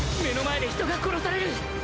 目の前で人が殺される！